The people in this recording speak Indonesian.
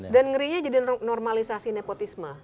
dan ngerinya jadi normalisasi nepotisme